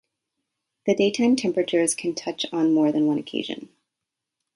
The daytime temperatures can touch on more than one occasion.